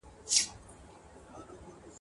له پیر بابا او له زیارت سره حساب سپینوم ..